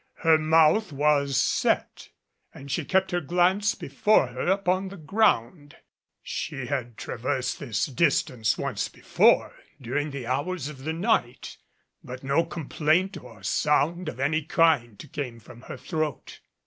Her mouth was set and she kept her glance before her upon the ground. She had traversed this distance once before, during the hours of the night, but no complaint or sound of any kind came from her throat.